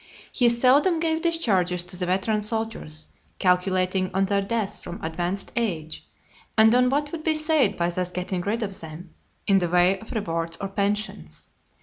He seldom gave discharges to the veteran soldiers, calculating (222) on their deaths from advanced age, and on what would be saved by thus getting rid of them, in the way of rewards or pensions.